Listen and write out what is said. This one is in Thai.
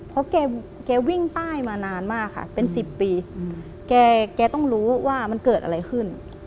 เพราะแกวิ่งใต้มานานมากค่ะเป็น๑๐ปีแกต้องรู้ว่ามันเกิดอะไรขึ้น